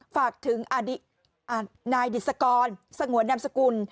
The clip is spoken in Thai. ฝากถึงอาดิอ่านายดิสกรสงวนแนมสกุล